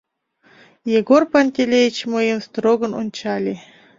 Егор Пантелеич мыйым строгын ончале.